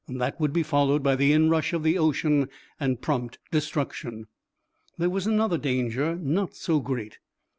That would be followed by the inrush of the ocean and prompt destruction. There was another danger, not so great.